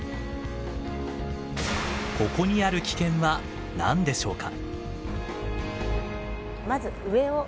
ここにある危険は何でしょうか？